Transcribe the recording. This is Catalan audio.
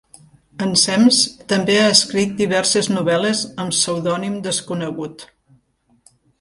Ensems també ha escrit diverses novel·les amb pseudònim desconegut.